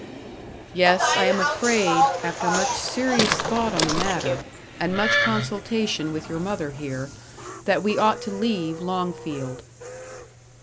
"Yes, I am afraid, after much serious thought on the matter, and much consultation with your mother here, that we ought to leave Longfield."